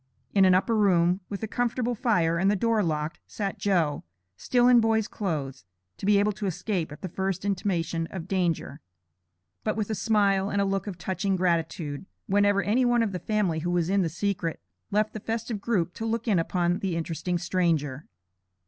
In an upper room, with a comfortable fire, and the door locked, sat "Joe," still in boy's clothes, to be able to escape at the first intimation of danger, but with a smile and look of touching gratitude, whenever any one of the family who was in the secret, left the festive group to look in upon the interesting stranger.